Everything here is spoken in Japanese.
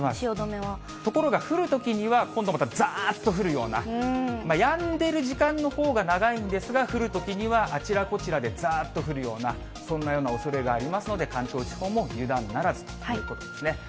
ところが降るときには、今度また、ざーっと降るような、やんでる時間のほうが長いんですが、降るときにはあちらこちらでざーっと降るような、そんなようなおそれがありますので、関東地方も油断ならずということですね。